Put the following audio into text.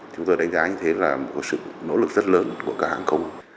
chúng tôi đánh giá như thế là một sự nỗ lực rất lớn của các hãng không